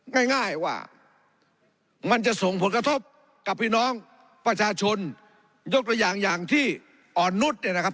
ง่ายง่ายว่ามันจะส่งผลกระทบกับพี่น้องประชาชนยกตัวอย่างอย่างที่อ่อนนุษย์เนี่ยนะครับ